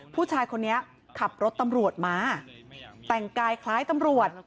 ผู้ชายคนนี้ขับรถตำรวจมาแต่งกายคล้ายตำรวจ